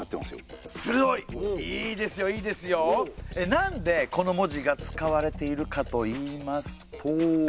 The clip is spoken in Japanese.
なんでこの文字が使われているかといいますと？